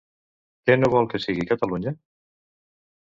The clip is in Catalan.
Què no vol que sigui Catalunya?